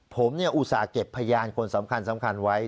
ผมอุตส่าห์เก็บพยานคนสำคัญไว้